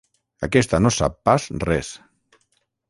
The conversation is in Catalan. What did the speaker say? Aquesta no sap pas res.